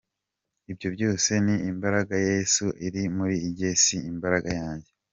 Ibyo byose ni imbaraga ya Yesu iri muri njye si imbaraga yanjye.